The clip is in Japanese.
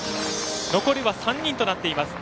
残りは３人となっています。